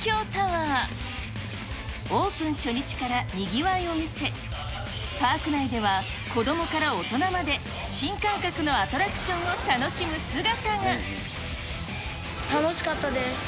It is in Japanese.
オープン初日からにぎわいを見せ、パーク内では子どもから大人まで、新感覚のアトラクションを楽しむ楽しかったです。